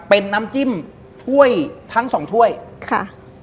เป็นน้ำจิ้มถ้วยทั้งสองถ้วยค่ะ